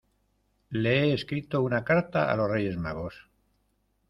le he escrito una carta a los Reyes Magos